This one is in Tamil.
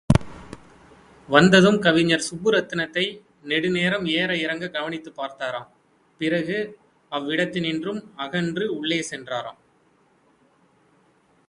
வந்ததும் கவிஞர் சுப்புரத்தினத்தை நெடுநேரம் ஏற இறங்கக் கவனித்துப் பார்த்தாராம் பிறகு அவ்விடத்தினின்றும் அகன்று உள்ளே சென்றாராம்.